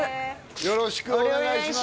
よろしくお願いします